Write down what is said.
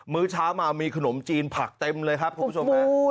ื้อเช้ามามีขนมจีนผักเต็มเลยครับคุณผู้ชมฮะ